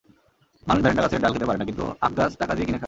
মানুষ ভ্যারেন্ডাগাছের ডাল খেতে পারে না, কিন্তু আখগাছ টাকা দিয়ে কিনে খায়।